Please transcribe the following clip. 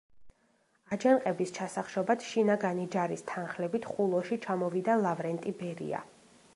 აჯანყების ჩასახშობად შინაგანი ჯარის თანხლებით, ხულოში ჩამოვიდა ლავრენტი ბერია.